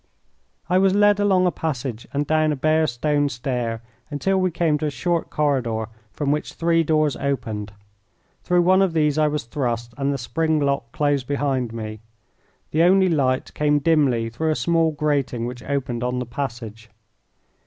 I was led along a passage and down a bare stone stair until we came to a short corridor from which three doors opened. Through one of these I was thrust and the spring lock closed behind me. The only light came dimly through a small grating which opened on the passage.